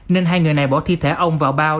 nên hai người này bỏ thi thể ông vào bao